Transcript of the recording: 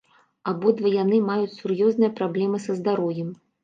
Абодва яны маюць сур'ёзныя праблемы са здароўем.